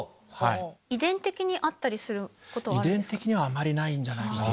遺伝的にはあまりないんじゃないかな。